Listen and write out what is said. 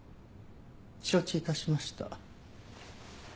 承知致しました。